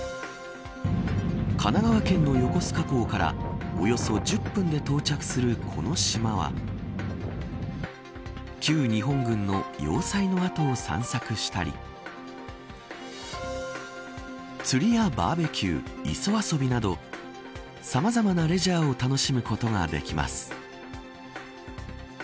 神奈川県の横須賀港からおよそ１０分で到着するこの島は旧日本軍の要塞の跡を散策したり釣りやバーベキュー磯遊びなどさまざまなレジャーを楽しむことができます。